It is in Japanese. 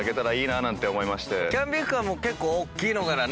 キャンピングカーもおっきいのからね。